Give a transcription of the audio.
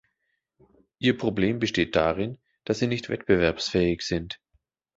Ihr Problem besteht darin, dass sie nicht wettbewerbsfähig sind.